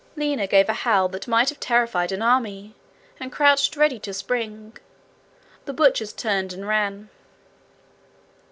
Lina gave a howl that might have terrified an army, and crouched ready to spring. The butchers turned and ran.